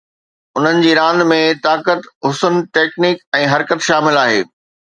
انهن جي راند ۾ طاقت، حسن، ٽيڪنڪ ۽ حرڪت شامل آهي.